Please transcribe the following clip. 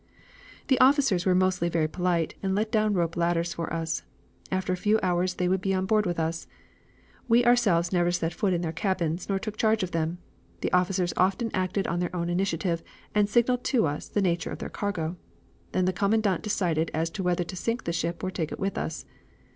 "The officers were mostly very polite, and let down rope ladders for us. After a few hours they would be on board with us. We ourselves never set foot in their cabins, nor took charge of them. The officers often acted on their own initiative, and signaled to us the nature of their cargo. Then the commandant decided as to whether to sink the ship or take it with us.